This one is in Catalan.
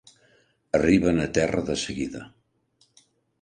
Arriben a terra de seguida.